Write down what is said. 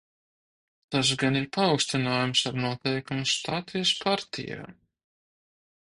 Tas gan ir paaugstinājums ar noteikumu stāties partijā.